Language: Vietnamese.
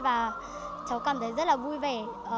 và cháu cảm thấy rất là vui vẻ